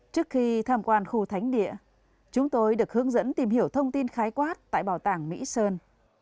trước khi tham quan khu thánh địa chúng tôi được hướng dẫn tìm hiểu thông tin khái quát tại bảo tàng mỹ sơn